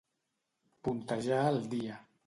Puntejar el dia.